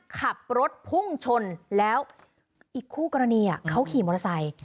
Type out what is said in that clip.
ขับรถพุ่งชนแล้วอีกคู่กรณีเขาขี่มอเตอร์ไซค์